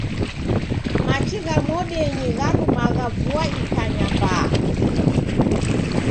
Machi gha mwadenyi gharumagha vua ikanya mbaa.